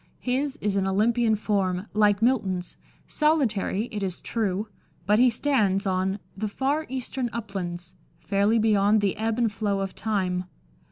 His is an Olympian form, like Milton's, solitary, it is true, but he stands on " the far eastern uplands," fairly beyond the ebb and flow of time.